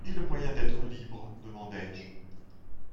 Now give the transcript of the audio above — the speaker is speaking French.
Et le moyen d’être libre ? demandai-je.